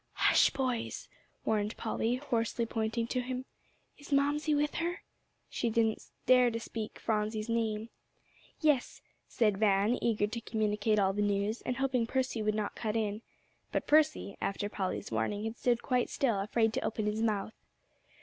"Hush, boys," warned Polly, hoarsely pointing to him; "is Mamsie with her?" She didn't dare to speak Phronsie's name. "Yes," said Van, eager to communicate all the news, and hoping Percy would not cut in. But Percy, after Polly's warning, had stood quite still, afraid to open his mouth.